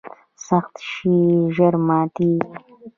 سخت شی ژر ماتیږي.